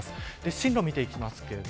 進路を見ていきます。